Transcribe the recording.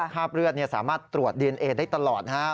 คราบเลือดสามารถตรวจดีเอนเอได้ตลอดนะครับ